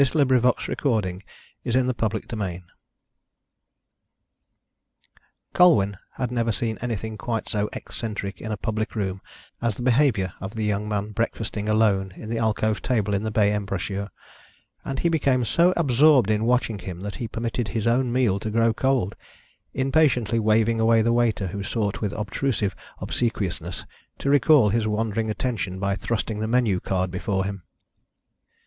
J. R. LONDON THE SHRIEKING PIT CHAPTER I Colwyn had never seen anything quite so eccentric in a public room as the behaviour of the young man breakfasting alone at the alcove table in the bay embrasure, and he became so absorbed in watching him that he permitted his own meal to grow cold, impatiently waving away the waiter who sought with obtrusive obsequiousness to recall his wandering attention by thrusting the menu card before him.